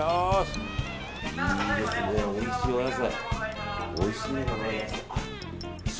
いいですね、おいしいお野菜。